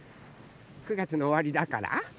９がつのおわりだから？